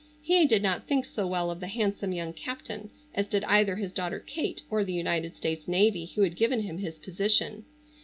He did not think so well of the handsome young captain as did either his daughter Kate or the United States Navy who had given him his position.